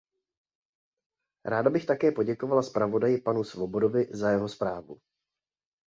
Ráda bych také poděkovala zpravodaji panu Swobodovi za jeho zprávu.